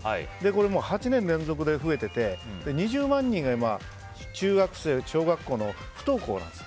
これは８年連続で増えていて２０万人が中学生小学校の不登校なんです。